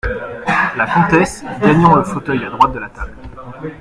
La Comtesse , gagnant le fauteuil à droite de la table.